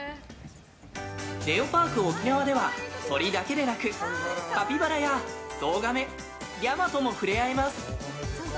ネオパークオキナワでは鳥だけでなくカピバラやゾウガメリャマとも触れ合えます。